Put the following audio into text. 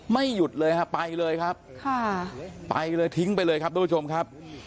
หยุดเลยฮะไปเลยครับค่ะไปเลยทิ้งไปเลยครับทุกผู้ชมครับ